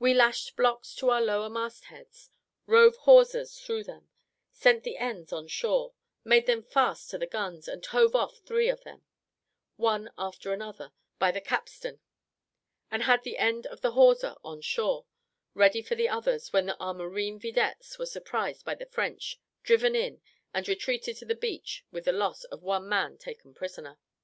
We lashed blocks to our lower mast heads, rove hawsers through them, sent the ends on shore, made them fast to the guns, and hove off three of them, one after another, by the capstan; and had the end of the hawser on shore, ready for the others, when our marine videttes were surprised by the French, driven in, and retreated to the beach with the loss of one man taken prisoner.